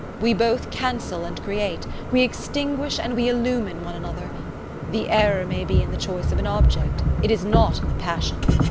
We both cancel and create, we extinguish and we illumine one another. The error may be in the choice of an object: it is not in the passion.